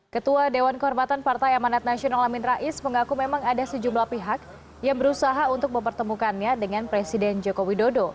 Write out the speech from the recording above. ketua dewan kehormatan partai amanat nasional amin rais mengaku memang ada sejumlah pihak yang berusaha untuk mempertemukannya dengan presiden joko widodo